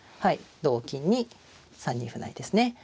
同金に３二歩成ですね。